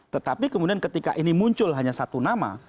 tetapi kemudian ketika ini muncul hanya satu nama